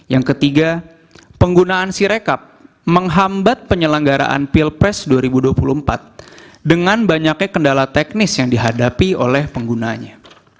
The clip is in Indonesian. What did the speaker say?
yang ketiga penggunaan sirekap menghambat penyelenggaraan pilpres dua ribu dua puluh empat dengan banyaknya kendala teknis yang dihadapi oleh penggunanya